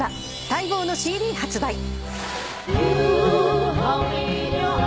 待望のＣＤ発売。